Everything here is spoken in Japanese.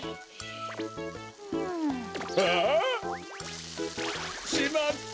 あっ！しまった！